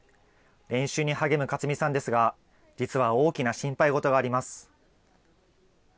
練習に励む勝見さんですが、実は大きな心配事があります。